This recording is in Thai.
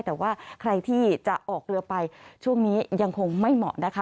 แต่ว่าใครที่จะออกเรือไปช่วงนี้ยังคงไม่เหมาะนะคะ